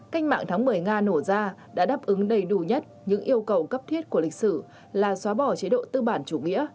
cách mạng tháng một mươi nga nổ ra đã đáp ứng đầy đủ nhất những yêu cầu cấp thiết của lịch sử là xóa bỏ chế độ tư bản chủ nghĩa